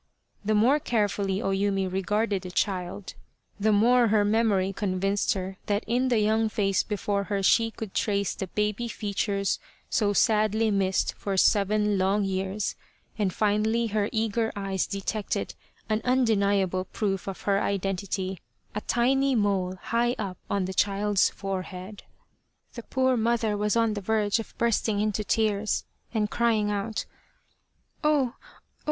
The more carefully O Yumi regarded the child, the The Quest of the Sword more her memory convinced her that in the young face before her she could trace the baby features so sadly missed for seven long years and finally her eager eyes detected an undeniable proof of her identity a tiny mole high up on the child's forehead. The poor mother was on the verge of bursting into tears and crying out :" Oh, oh